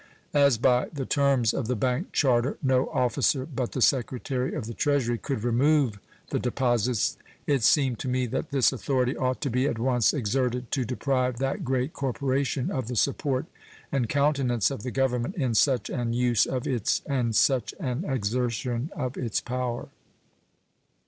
As by the terms of the bank charter no officer but the Secretary of the Treasury could remove the deposits, it seemed to me that this authority ought to be at once exerted to deprive that great corporation of the support and countenance of the Government in such an use of its and such an exertion of its power.